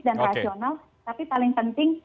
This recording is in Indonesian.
dan rasional tapi paling penting